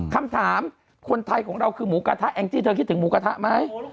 คำถามคนไทยของเราคือหมูกระทะแองจี้เธอคิดถึงหมูกระทะไหม